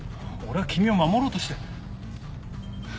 俺は君を守ろうとして。